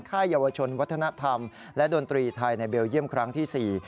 ค่ายเยาวชนวัฒนธรรมและดนตรีไทยในเบลเยี่ยมครั้งที่๔